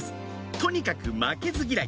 とにかく負けず嫌い